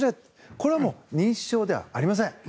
これはもう認知症ではありません。